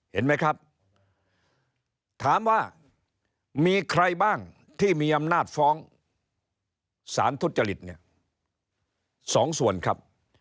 เห็นไหมครับถามว่ามีใครบ้างที่มีอำนาจฟ้องสารทุจริตเนี่ย๒ส่วนครับ